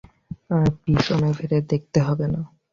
আর পিছনে ফিরে দেখতে হবে না।